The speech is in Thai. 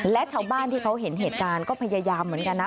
และชาวบ้านที่เขาเห็นเหตุการณ์ก็พยายามเหมือนกันนะ